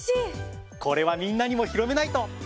これはみんなにも広めないと！